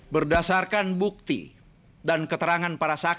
berdasarkan bukti dan keterangan